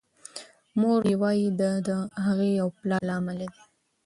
مور یې وايي دا د هغې او پلار له امله دی.